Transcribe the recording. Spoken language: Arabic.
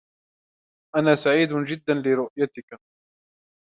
أنا سعيد جداً لرؤيتك.